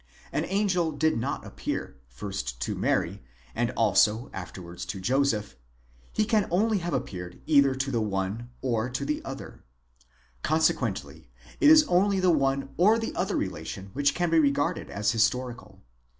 An angel did not appear, first to Mary, and also afterwards to Joseph; he can only have appeared either to the one or to the other, Consequently, it is only the one or the other relation which can be regarded as historical.